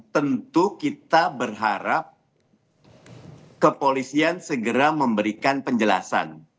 tentu kita berharap kepolisian segera memberikan penjelasan